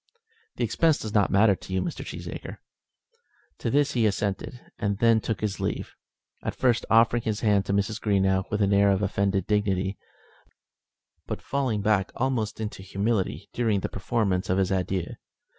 "The expense does not matter to you, Mr. Cheesacre." To this he assented, and then took his leave, at first offering his hand to Mrs. Greenow with an air of offended dignity, but falling back almost into humility during the performance of his adieu.